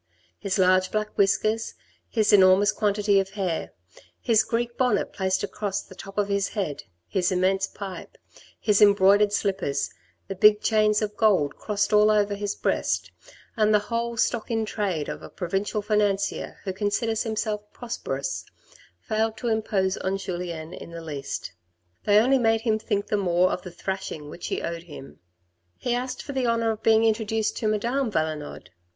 His large black whiskers, his enormous quantity of hair, his Greek bonnet placed across the top of his head, his immense pipe, his embroidered slippers, the big chains of gold crossed all over his breast, and the whole stock in trade of a provincial financier who considers himself prosper ous, failed to impose on Julien in the least ; They only MANNERS OF PROCEDURE IN 1830 145 made him think the more of the thrashing which he owed him. He asked for the honour of being introduced to Madame Valenod.